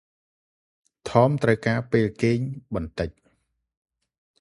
ថម ត្រូវការពេលគេងបន្តិច ។